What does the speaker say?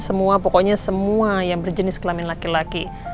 semua pokoknya semua yang berjenis kelamin laki laki